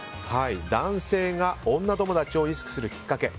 男性が女友達を意識するきっかけ。